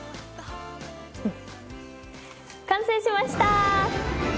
うん完成しました！